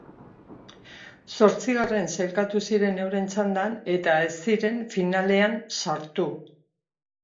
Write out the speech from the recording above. Zortzigarren sailkatu ziren euren txandan eta ez ziren finalean sartu.